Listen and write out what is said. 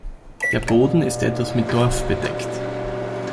Der Boden ist etwas mit Torf bedeckt.